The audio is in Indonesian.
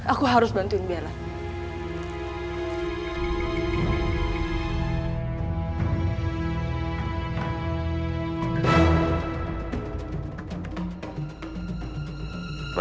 aku harus bantuin bella